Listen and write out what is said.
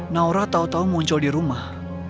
naora tau tau muncul di rumah